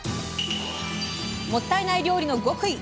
もったいない料理の極意。